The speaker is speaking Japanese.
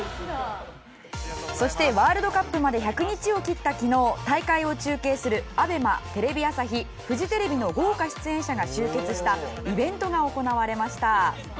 そしてワールドカップまで１００日を切った昨日大会を中継するＡＢＥＭＡテレビ朝日、フジテレビの豪華出演者が集結したイベントが開催されました。